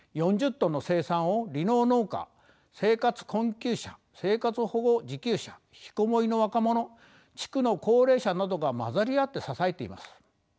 ４０ｔの生産を離農農家生活困窮者生活保護受給者引きこもりの若者地区の高齢者などが交ざり合って支えています。